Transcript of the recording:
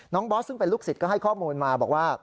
บอสซึ่งเป็นลูกศิษย์ก็ให้ข้อมูลมาบอกว่า